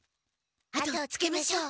後をつけましょう。